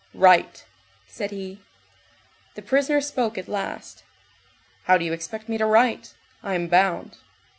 "Write," said he. The prisoner spoke at last. "How do you expect me to write? I am bound."